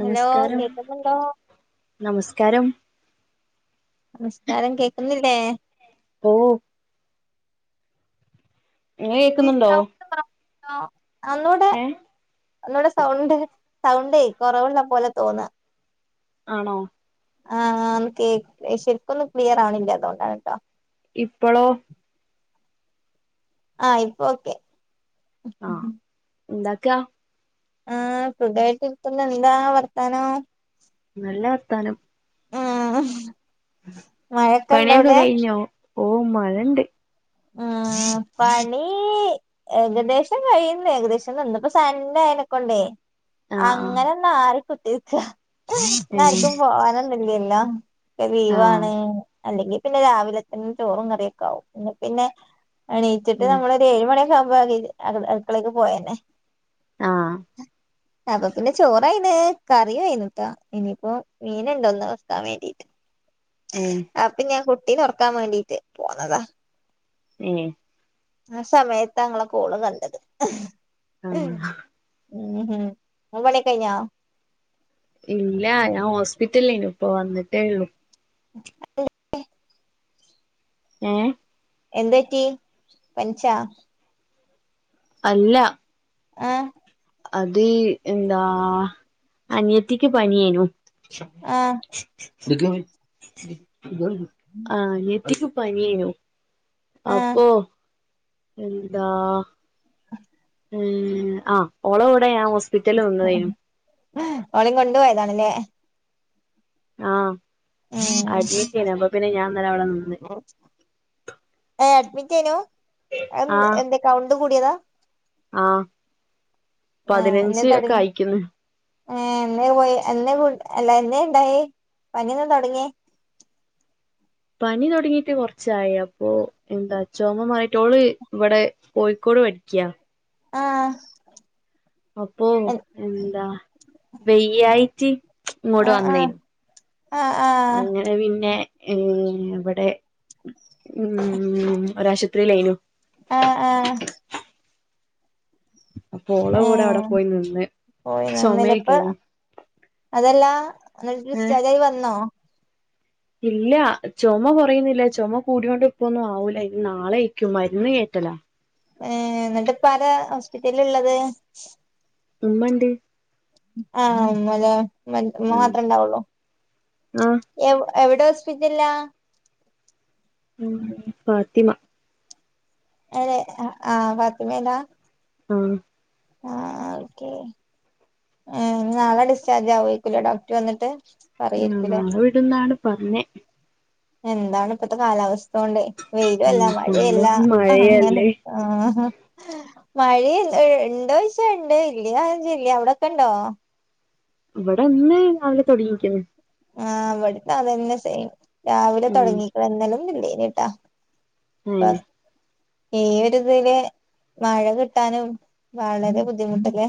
Hello കേക്കുന്നുണ്ടോ നമസ്കാരം നമസ്കാരം കേക്കുന്നില്ലേ ഓ അങ്ങനെ കേക്കുന്നുണ്ടോ ആ അന്നൂടെ ഏ നമ്മുടെ സൗണ്ട് സൗണ്ടേ കുറവുള്ള പോലെ തോന്നാ ആണോ ആഹ കേ ശരിക്കൊന്നും ക്ലിയർ ആവണില്ലേ അതുകൊണ്ടാണ് കേട്ടോ ഇപ്പോളോ ആഹ ഇപ്പ ക്കെ എന്താക്കെയ ആ ഫുഡ ആായിട്ട്ിത്തുന്ന എന്താ വർത്താനം നല്ല വർത്താനം ഉം മഴക്കെ ഇണ്ട പണിയൊക്കെ അവിടെ കഴിഞ്ഞോ ഓ മഴയുണ്ട് ഉം പണ ഏകദേശം കഴിയുന്നു ഏകദേശം നിന്നിപ്പോ സഡ ആയനെക്കൊണ്ടേ ആ അങ്ങനെന്ന ആര് കുട്ടി ആ ഹ ല്ലല്ലോ ഇ ലീവാണ് അല്ലെങ്കിൽ പിന്നെ രാവിലെ തെ ചോറും കറിയൊക്കാവും പിന്നെ എണീച്ചിട്ട് ഉം നമ്മളൊരു ഏഴ് മണിയൊക്കെ ആകുമ്പോ അടുക്കളേക്ക് പോയന്നെ ആഹ അപ്പൊ പിന്നെ ചോറയിന്ന് കറിയ ആയിനട്ടാ ഇനിയിപ്പോ മീന ഇണ്ടോ ഒന്ന് വക്കാൻ വേണ്ടിട്ട് ഏ അപ്പൊ ഞാൻ കുട്ടീ ഉറക്കാൻ വേണ്ടീട്ട് പോന്നതാ ഇനി ആ സമയത്ത്ങ്ങളെ കോള് കണ്ടത് ആഹ മ്മ് ഹ ഇങ്ങളപണിക്കകഴിഞ്ഞാ ഇല്ല ഞാൻ ഹോസ്പിറ്റലേനു ഇപ്പ വന്നിട്ടേ ഉള്ളു അതെ ആഏ എന്തറ്റി പൻചാ അല്ല ആഹ അത് എന്താ അനിയത്തിക്ക് പനിയെന്നു ആഹ ആ എത്തി പനിയു ആഹ് അപ്പൊ എന്താ ഉ ആ് ഓള കവിടെ ഞാൻ ഹോസ്പിറ്റല വന്നും ഓളെയും കൊണ്ടുപോയതാണല്ലേ ആഹ ഉം അഡ്മിറ്റ് ചെയ്യന അപ്പൊ പിന്നെ ഞാൻന്നല്ല അവിടെ നിന്ന് ഏ അഡ്മിറ്റ് ചെയ്യനോ എന്തക്കൗണ്ട് കൂടിയതാ ആഹ പതിനഞ്ച് ഒക്കെ അയിക്കുന്നു ഏ എന്നേ പോയി എന്ന അല്ല എന്നേ ഇണ്ടായി ഭഞ്ഞിയന്ന തുടങ്ങിയ [inaudible] പനി തുടങ്ങിട്ട് കുറച്ചായി അപ്പോ എന്താ ചോമ്മ മാറിയിട്ടോള് ഇവിടെ കോഴിക്കോട് പ ക്കാ ആഹ അപ്പോൊ എന്താ വെയ്യഴട്ട് ഇങ്ങോട്ട് ആഹ് ആഹ് വന്നേരുന്നു ആഹ് ആഹ് അങ്ങനെ പിന്നെ ഏ ഇവിടെ ഉ ഒരാശുപത്രിയിലായിനു ആഹ ആഹ അപ്പൊ ഓളെ ആ കൂടെ അവിടെ പോയി നിന്ന് പോയി നന്നിലപ്പ ചുമയൊക്കേനു അതല്ലാ എന്നിട് ഏഹ് ഡിസ്ചാർജ് ആയി വന്നോ ഇല്ല ചുമ കുറയുന്നില്ല ചുമ കൂടൊണ്ട് ഇപ്പൊന്നും ആവൂല ഇന്ന് നാളെ കക്കും മരുന്ന് ക ട്ടല ഏ എന്നിട്ട് പല ഹോസ്പിറ്റല ഉള്ളത് ഉമ്മണ്ട് ആഹമ്മത മാത്രേ ഉണ്ടാവുള്ളു ആഹ് എവിടെ സ്പറ്റില്ല ഉ പാത്തിമ അതേ ആഹ് പത്തിമേലാ ആഹ ആഹ ഓക്കേ ഉ നാളെ ഡിസ്ചാർജ് ആവക്കല ഡോക്ടർ വന്നിട്ട് ആ നാ പറയായിരിക്കൂല്ലേ ഇവിടന്നാണ് പറഞ്ഞേ എന്താണ് ഇപ്പത്തെ കാലാവസ്ഥ അതൊണ്ടേ ഉം വെയിലല്ല മഴയല്ല ഫുള്ളും അങ്ങനെ മഴയല്ലേ ആ മഴ ഇണ്ടോ പച്ച ഇണ്ട് ഇല്ലചല്ല അവിടെൊക്കെ ഇണ്ടോ ഇവിടെ അന്ന നാവിലെ തുടങ്ങിക്കുന്നത് ആ അവിടുത്തെ അതന്നെ ചെയ രാവിലെ ഉം തുടങ്ങിക്ക എന്നാലും ഇള്ളേനട്ടാ മ്മ് ഈരിതില് മഴ കിട്ടാനും വളരെ ബുദ്ധിമുട്ടല്ലേ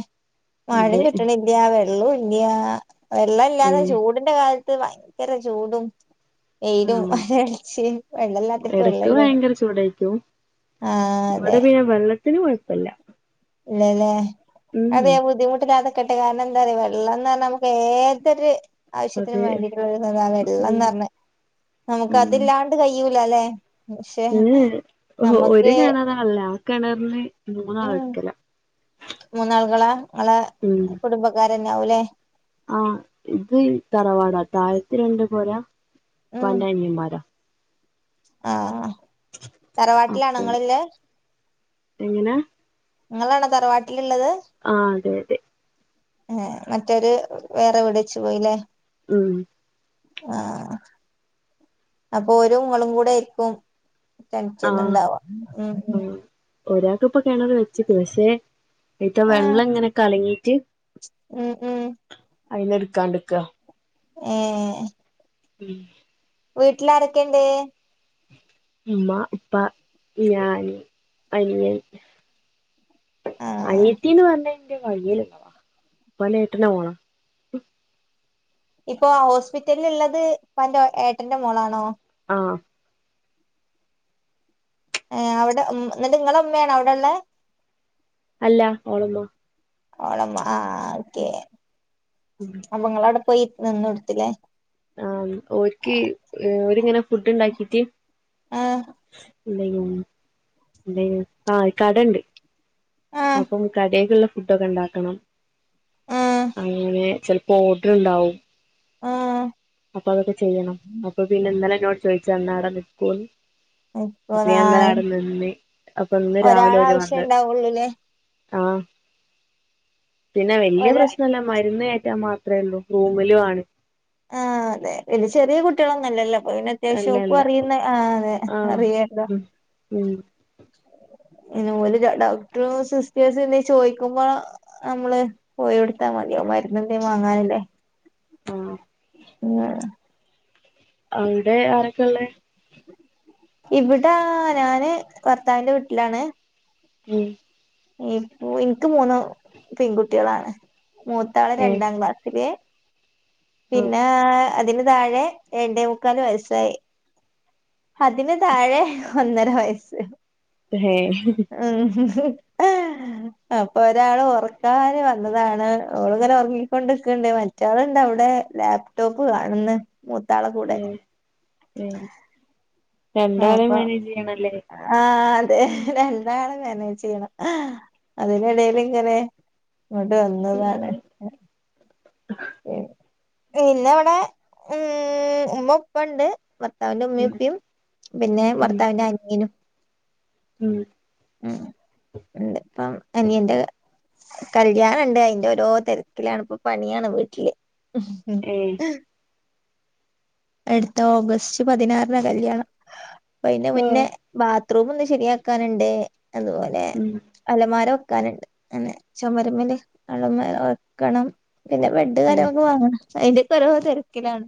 മഴയും അതെ കിട്ടണല്ലയ വെള്ളം ഇല്ലയാ വെള്ള ഇല്ലാത ഏഹ് ചൂടിന്റെ കാല ഭയങ്കര ചൂടും വെയിലും ആഹ് വരൾച്ചയും വെള്ളമല്ലാത്തക്ക് വെള്ളല്ലാണ് ടും ഇവിടെ പിന്നെ വെള്ളത്തിന് കുഴപ്പല്ല ഇല്ലല്ലേ ഉം അതെ ബുദ്ധിമുട്ടില്ലാതൊ ക്കട്ടെ കാരണം എന്താ പറയാ വെള്ളം എ പറഞ്ഞാൽ നമുക്ക് ഏതൊരു ആവശ്യത്തിനന് അതെ വേണ്ടിയിട്ടരുന്നതാ വെള്ളംന്ന് ഉം പറഞ്ഞ നമുക്ക് അതില്ലാണ്ട് കഴൂല അല്ലേ ഉം ഉം ഒരു കെണറന അല്ല കിണർന്ന് മൂന്നാൾ ഉം എടുക്കല ങ്ങളെ കുടുംബക്കാരന്നെയാവൂലേ ആഹ ഇത് തറവാടാ താഴത്തി രണ്ട് പോരാ പ്പാന്റെ അനിയൻമാരാ ആഹ തറവാട്ടിലാണങ്ങളല്ലേ എങ്ങനാ നിങ്ങളാണോ തറവാട്ടിലുള്ളത് ആ അതെ അതെ മറ്റൊരു വേറെ എവിടെ വെച്ച് പോയില്ലേ ഉം ആഹ അപ്പൊ ഓരും ങ്ങളും കൂടെ ആയിരിക്കും ആഹ് കളിച്ചൊന്നണ്ടാവാ ഉം ഉം ആഹ് ഒരാൾക്ക് ഇപ്പ കിണറ് വെച്ചിക്ക്ന്ന് പക്ഷെ ഈല്ത്തെ ആഹ് വെള്ളം ഇങ്ങനെ കലങ്ങീറ്റ് ഉം ഉം അയിന് എടുക്കാണ്ട്ക്കാ ഏ യെ ഉം വീട്ടിലാരൊക്കെയിണ്ട് ഉമ്മ പ്പ ഞാൻ അനിയൻ ആഹ് അനിയത്തീന്ന് പറഞ്ഞ എന്റെ വകെലുള്ളതാ ഉപ്പാന്റെ ഏട്ടന്റെ മോളാ ഇപ്പൊ ഹോസ്പിറ്റലിൽ ഇള്ളത് ഉപ്പാന്റെ ഏട്ടന്റെ മോളാണോ ആ ഏ അവിടെ എന്നിട്ട് നിങ്ങളുമ്മയാണോ അവിടെള്ള അല്ല ഓളുമ്മ ഓളമ്മ ആ ഓക്കെ അപ്പൊ ഇങ്ങളാടെപ്പോയി നിന്നടുത്തില്ലേ ആ ഓര്ക്ക് ഓരിങ്ങനെ ഫുഡ് ഉണ്ടാക്കീറ്റ് ആഹ് എന്തേയിന് എന്തേയിന് ആ കടണ്ട് ആഹ് അപ്പം കടേലുള്ള ഫുഡൊക്കെ ഉണ്ടാക്കണം ആഹ് അങ്ങനെ ചിലപ്പോ ഓർഡർ ഉണ്ടാവും ആഹ് അപ്പൊ അതൊക്കെ ചെയ്യണം അപ്പൊ പിന്നെ ഇന്നലെ എന്നോട് ചോദിച്ചന്നാട നിക്കൊന്നു ഇപ്പൊ അപ്പ ഞാനിന്നലെ നാല് ആടെ നിന്ന് അപ്പൊ ഇന്ന് രാവിലെ ഓര് ഒരാളാവശ്യം വന്ന് ഉണ്ടാവുള്ളൂല്ലേ ആഹ പിന്നെ വലിയ ഒരാ പ്രശ്നല്ല മരുന്ന് കേറ്റാന്മാ അത്രേള്ളൂ റൂമിലുമാണ് ആ അതെ പിന്നെ ചെറിയ കുട്ടികളൊന്നുംല്ലല്ലോ അപ്പൊപ്പിന്നെ അത്യാവശ്യം ഓക്കും അല്ലല്ല അറിയുന്ന ആ് അതെ ആഹ് അറിയേണ്ട ഉം ഉം ഇത് പോലെ ഡോക്ടറും സിസ്റ്റേഴ്സും എന്ത ചോദിക്കുമ്പോൾ നമ്മള് പോയോടുത്താൽ മതി മരുന്ന എന്തേും വാങ്ങാനില്ലേ ആ [unintelligible] അവിടെ ആരൊക്കെ ഉള്ളേ ഇവിടെ ഞാന് ഭർത്താവിന്റെ വീട്ടിലാണ് ഉം ഇനിക്ക് മൂന്ന് പെൺകുട്ടികളാണ് മൂത്താള് ഏഹ് രണ്ടാം ക്ലാസ്സില് ആഹ് പിന്നെ അതിന് താഴെ രണ്ടേ മുക്കാല് വയസായി അതിന് താഴെ ഒന്നര വയസ്സ്. ഏഹ് മ്മ് [inaudible] അപ്പൊ ഒരാള് ഉറക്കാന് വന്നതാണ് ഓളിങ്ങനെ ഉറങ്ങിക്കൊണ്ടിക്കണ്ടേ മാറ്റാളിണ്ടാവും ഇവ് ടെ ലാപ്ടോപ്പ് കാണുന്ന മൂത്താളെ കൂടെ ഏഹ് ആ രണ്ടാളെ അപ്പൊ മെനേജ യ്യണോല്ലോ ആ അതെ രണ്ടാളേം മാനേജ് ചെയ്യണം അതിനിടെലിങ്ങനെ ഇങ്ങോട്ട് വന്നതാണ് ഉം പിന്നെയിവിടെ ഉം മ്മുപ്പുണ്ട് ഭർത്താവിന്റെ ഉമ്മീം ഉപ്പീ പിന്നെ ഉം ഭർത്താവിന്റെ അനിയനും ഉം ഉ ഉ ഇപ്പം അനിയന്റെ കല്യാണണ്ട് അയിന്റെ ഓരോ തിരക്കിലാണ് ഇപ്പൊ പണിയാണ് വീട്ടില് ഏഹ് [unintelligible] അടുത്ത ഓഗസ്റ്റ് പതിനാറിന കല്യാണം ഇപ്പ അയിന്റെ മുന്നേ ബാത്റൂം ഒന്ന് ശരിയാക്കാനുണ്ട് അതുപോലെ ഉം അലമാരോ വക്കാനുണ്ട് അന്നെ ചുമരമല് അള്ളമേല വെക്കണം പിന്നെ ബെഡ് ഏഹ് കാരമ്പം വാങ്ങണം അയിൻ്റൊക്കെ ഓരോ തിരക്കിലാണ്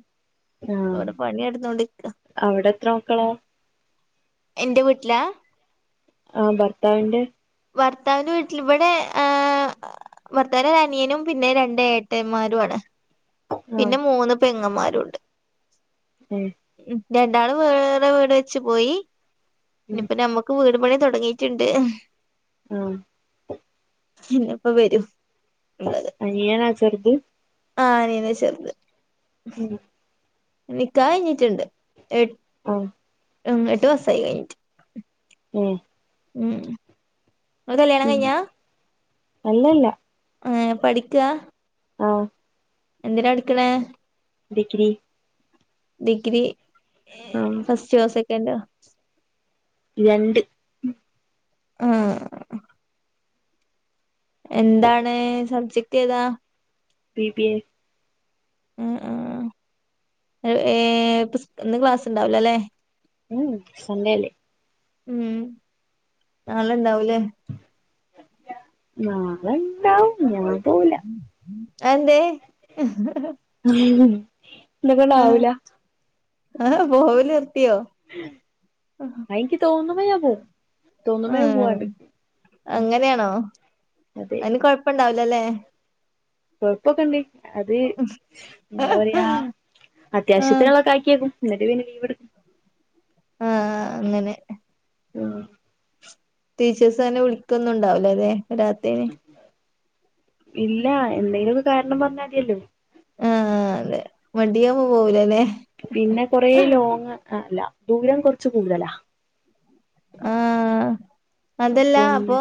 ആഹ് അടെ പണിയ എടുതോണ്ട് നിക്ക അവിടെ എത്ര മക്കളാ എന്റെ വീട്ടിലാ ആഹ് ഭർത്താവിന്റെ ഭർത്താവിന്റെ വീട്ടിൽ ഇവിടെ ഏ ഭർത്താവിന്റെ അനിയനും പിന്നെ രണ്ട് ഏട്ടന്മാരു ആണ് ആഹ് പിന്നെ മൂന്ന് പെങ്ങമാരു ഉണ്ട് ഏഹ് ഉ രണ്ടാള് വേറെ വീട് വെച്ച് പോയി ഉം ഇനിപ്പ നമ്മുക്ക് വീട് പണി തുടങ്ങിട്ടുണ്ട് ഉ ഇന്നിപ്പ വരും അനിയനാ ചെറ്ത്. ആ അനിയനാ ചെറുത്. ഉം. നിക്കായിഞ്ഞിട്ട്ണ്ട് എ ആഹ് ഉം എട്ട് മാസായി കഴിഞ്ഞിട്ട്. ഉം. ഉം നിങ്ങളെ കല്യാണം ഉം കഴിഞ്ഞാ. അല്ലല്ല. ഏ പഠിക്കാ ആഹ്. എന്തിനാ എടുക്കെണേ? ഡിഗ്രി. ഡിഗ്രി ആഹ് ഫസ്റ്റോ സെക്കൻ്റോ. രണ്ട്. ആഹ്. എന്താണ് സബ്ജക്ട് ഏതാ. B B A. ആ ആഹ് ഹേ ഇന്ന് ക്ലാസ്സ്ണ്ടാവൂലല്ലേ. ഉം സൻഡൽ. ഉം നാളെണ്ടാവൂലേ. നാളണ്ടാവും ഞാൻ പോവൂല അഎന്തേ ഹ ഹേ. ന്ന ക്കെണ്ടാവൂല. ആഹ് [unintelligible] അയിൻകി തോന്നുമ്പം ഞാൻ പോവും. തോന്നുമ്പോ ഞാൻ ആഹ് പോവാണ്ടിക്കും അങ്ങനെയാണോ അതെ അയ്ന് കൊഴപ്പുണ്ടാവ ല്ല ല്ലേ. കൊഴപ്പൊക്കണ്ടി അത് എന്താ പറയാ ആഹ് ആഹ് അത്യാവശ്യത്തിനുള്ളക്ക ആക്കിയേക്കും. ന്നിട്ട് പിന്നെ ലീവ് എടു ആഹ് ആഹ് അങ്ങനെ ആഹ്. ടീച്ചേഴ്സ് അങ്ങനെ വിളിക്കൊന്നുണ്ടാവൂലല്ലേ വെരാത്തേയ്ൻ. ഇല്ല എന്തെങ്കിലൊക്കെ കാരണം പറഞ്ഞാൽ മതിയല്ലോ. ആഹ് അതെ മടിയങ്ങ് പോവൂലല്ലെ. പിന്നെ കൊറേ ലോങ് അല്ല ദൂരം കൊർച്ച് കൂടുതലാ ആഹ് അതല്ല അപ്പം അപ്പൊ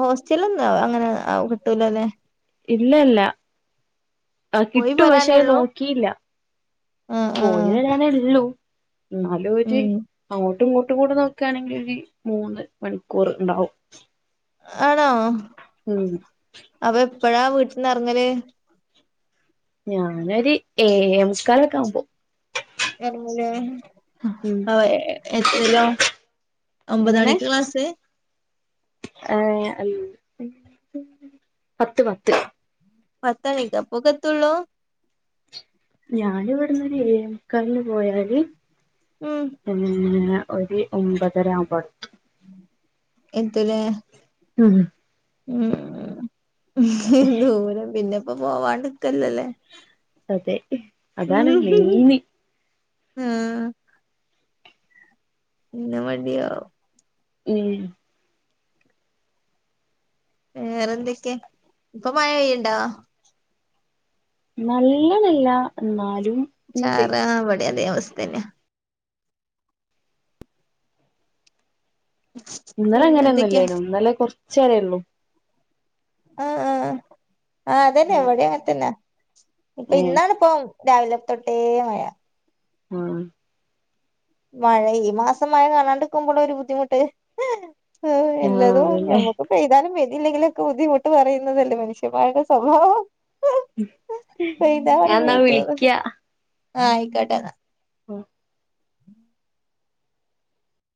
ഹോ ചിലന്താ അങ്ങനെ ആ കിട്ടൂലല്ലെ. ഇല്ലല്ല ആ പോയി കിട്ടും പക്ഷെ വരാനേ അത് ഉള്ളൂ നോക്കിയില്ല ആഹ് ആഹ് പോയത് ഞാനെ ഉള്ളൂ എന്നാലും ഒര് ഉം അങ്ങോട്ടും ഇങ്ങോ ട്ടും കൂടെ നോക്കണെങ്കിൽ മൂന്ന് മണിക്കൂർ ഇണ്ടാവും ആണോ അപ്പൊ എപ്പഴാ വീട്ട്ന്ന് എറങ്ങല് ഞാനൊരു ഏയേമുകാലൊക്കെ ആവുമ്പോ എറങ്ങുലേ ഉം അ എത്തലോ ഒമ്പത് എങ്ങനെ മണിക്കാ ക്ലാസ് ഏ അ പത്ത് പത്ത് പത്തണിക്കൊ അപൊക്കെത്തുള്ളൂ ഞാനിവിടുന്ന് ഒരു ഏഴെമുക്കാലിന് പോയാല് ഉം ഏ ഒരു ഒമ്പതര ആവുമ്പം അവിടെത്തും എത്തുലേ ഉം ഉം ദൂരം പിന്നെപ്പോ പോവാണ്ട് ക്കല്ലല്ലേ അതെ അതാണ് മെയിന് ആ പിന്ന മടിയാവും ഉം വേറെന്തൊക്കെ ഇപ്പൊ മഴ പെയ്യ്ണ്ടോ നല്ലതില്ല ചാറ വടിം അതേ അവസ്ഥനെയാ ഇന്നലെ പിന്നെ എന്തൊക്കെയാ അങ്ങനെയൊന്നുംല്ലേനോ ഇന്നലെ കൊറച്ചേരേ ഉള്ളൂ ആ ആ ആ അതന്നെ ഉം ഇവിടെ അങ്ങനത്തന്നെ ഇപ്പൊ ഏഹ് ഇന്നാണ് പോം രാവിലെ തോട്ടേ മഴ ആ മഴ ഈ മാസം മഴ കാണാണ്ട്ക്കുമ്പളും ഒരു ബുദ്ധിമുട്ട് ആ ആഹ് എല്ലാതും അതന്നെ നമ്മക്ക് പെയ്താലും പെയ് തില്ലെങ്കിലൊക്കെ ബുദ്ധിമുട്ട് പറയുന്നതല്ലേ മനുഷ്യൻ മാരുടെ സ്വഭാവം പെയ്താ ഞാൻ ഇവടിം എന്നാ പെയ്തു വിളിക്കാ ആ അയ്ക്കോട്ടെന്നാ ഉം